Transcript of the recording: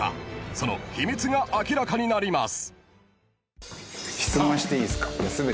［その秘密が明らかになります］